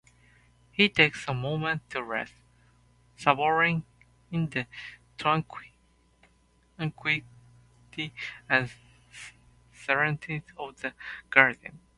He takes a moment to rest, savoring the tranquility and serenity of the garden.